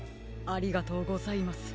ありがとうございます。